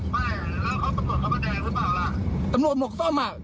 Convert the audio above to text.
ไม่แล้วเขาตำรวจพระพะแดงหรือเปล่าล่ะ